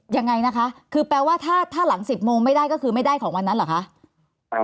ยังไงนะคะคือแปลว่าถ้าหลัง๑๐โมงไม่ได้ก็คือไม่ได้ของวันนั้นเหรอคะ